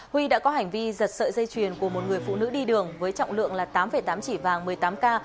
huy đã có hành vi giật sợi dây chuyền của một người phụ nữ đi đường với trọng lượng là tám tám chỉ vàng một mươi tám k